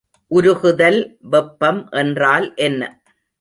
உருகுதல் வெப்பம் என்றால் என்ன?